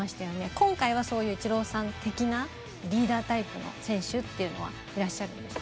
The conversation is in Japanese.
今回はそういうイチローさん的なリーダータイプの選手というのはいらっしゃるんですか？